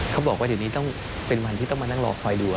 เขาบอกว่าเดี๋ยวนี้ต้องเป็นวันที่ต้องมานั่งรอคอยดู